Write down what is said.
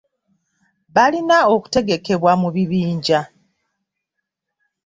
Balina okutegekebwa mu bibinja.